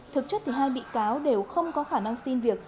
thực chất thì hai bị cáo đều không có khả năng xin việc